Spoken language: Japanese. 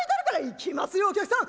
「行きますよお客さん。